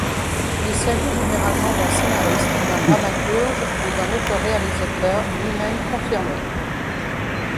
Il s'agit généralement d'un scénariste, d'un dramaturge ou d'un auteur-réalisateur lui-même confirmé.